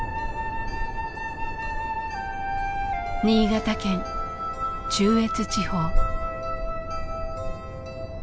新潟県中越地方。